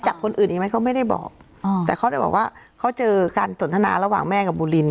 จับคนอื่นอีกไหมเขาไม่ได้บอกอ๋อแต่เขาได้บอกว่าเขาเจอการสนทนาระหว่างแม่กับบุริน